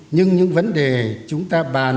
nhưng những vấn đề chúng ta bàn